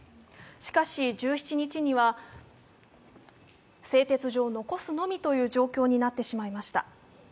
しかし、１７日には製鉄所を残すのみという状況になってしまいました。